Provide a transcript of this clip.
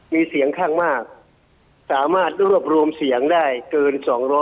มีเสียงข้างมากสามารถรวบรวมเสียงได้เกิน๒๐๐